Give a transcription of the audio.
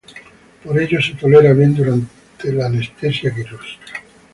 Por ello, se tolera bien durante anestesia quirúrgica.